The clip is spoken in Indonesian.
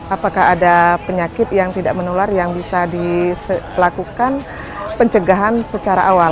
apakah ada penyakit yang tidak menular yang bisa dilakukan pencegahan secara awal